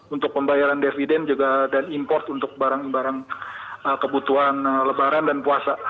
untuk pembayaran deviden dan juga import untuk barang barang kebutuhan lebaran dan puasa